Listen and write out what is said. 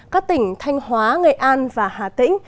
các tỉnh thanh hóa nghệ an và hà tĩnh